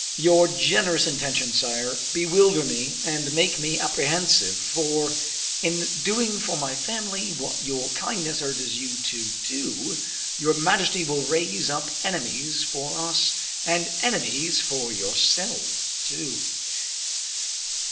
"Your generous intentions, sire, bewilder me and make me apprehensive, for, in doing for my family what your kindness urges you to do, your majesty will raise up enemies for us, and enemies for yourself, too.